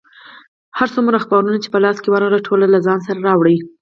هر څومره اخبارونه چې په لاس ورغلل، ټول له ځان سره راوړي.